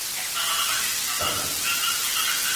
د مړي دوستانو له ښځو سره څه کول؟